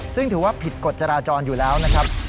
ซึ่งถือว่าผิดกฎจราจรอยู่แล้วนะครับ